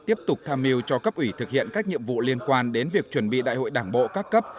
tiếp tục tham mưu cho cấp ủy thực hiện các nhiệm vụ liên quan đến việc chuẩn bị đại hội đảng bộ các cấp